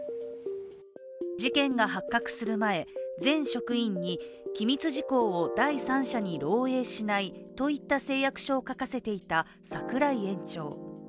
事件が発覚する前、全職員に機密事項を第三者に漏えいしないといった誓約書を書かせていた櫻井園長。